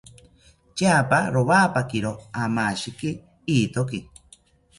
Tyapa rowapakiro amashiki ithoki